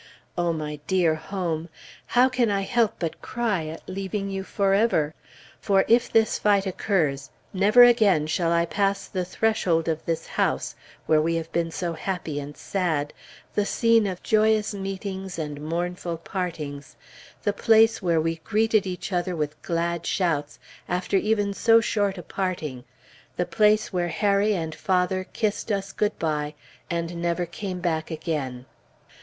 O my dear Home! How can I help but cry at leaving you forever? For if this fight occurs, never again shall I pass the threshold of this house, where we have been so happy and sad, the scene of joyous meetings and mournful partings, the place where we greeted each other with glad shouts after even so short a parting, the place where Harry and father kissed us good bye and never came back again!